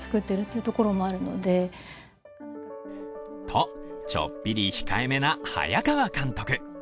と、ちょっぴり控えめな早川監督。